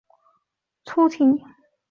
获奖作品与获奖者以粗体字显示。